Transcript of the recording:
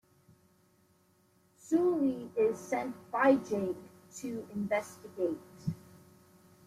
Sully is sent by Jake to investigate.